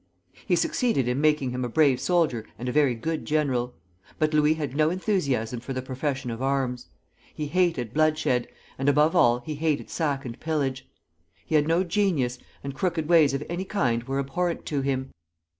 He succeeded in making him a brave soldier and a very good general; but Louis had no enthusiasm for the profession of arms. He hated bloodshed, and above all he hated sack and pillage. He had no genius, and crooked ways of any kind were abhorrent to him.